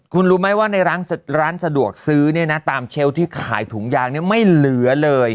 คุณรู้ไหมว่าในร้านสะดวกซื้อเนี่ยนะตามเชลล์ที่ขายถุงยางเนี่ยไม่เหลือเลย